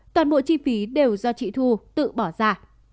toàn bộ chi phí đều do chị thu tự bỏ ra